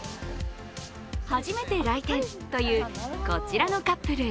初めて来店というこちらのカップル。